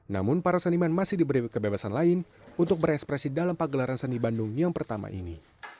namun para seniman masih diberi kebebasan lain untuk berekspresi dalam pagelaran seni bandung yang pertama ini